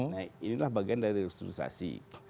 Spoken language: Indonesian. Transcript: nah inilah bagian dari restrukturisasi